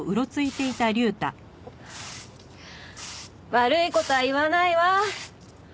悪い事は言わないわ。